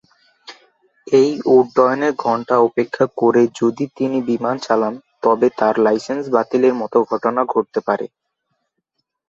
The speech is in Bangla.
এই উড্ডয়ন-ঘণ্টা উপেক্ষা করে যদি তিনি বিমান চালান, তবে তার লাইসেন্স বাতিলের মত ঘটনা ঘটতে পারে।